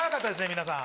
皆さん。